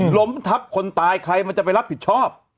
ล้มทับคนตายใครมันจะไปรับผิดชอบ